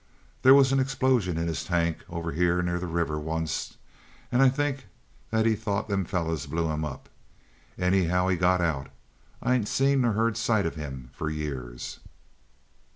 There was an explosion in his tank over here near the river onct, an I think he thort them fellers blew him up. Anyhow, he got out. I ain't seen ner heard sight of him fer years."